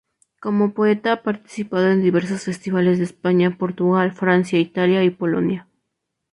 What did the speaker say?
Como poeta ha participado en diversos festivales de España, Portugal, Francia, Italia y Polonia.